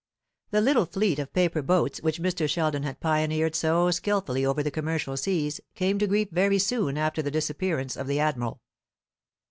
The little fleet of paper boats which Mr. Sheldon had pioneered so skilfully over the commercial seas came to grief very soon after the disappearance of the admiral.